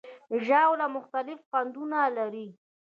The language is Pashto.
ژاوله مختلف خوندونه لري.